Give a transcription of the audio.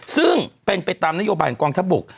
ซึ่งเป็นไปตามนโยบันกองทบุค